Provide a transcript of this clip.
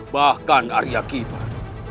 bahkan arya kiban